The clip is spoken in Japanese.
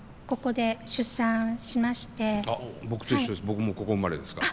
僕もここ生まれですから。